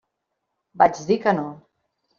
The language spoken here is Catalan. Vaig dir que no.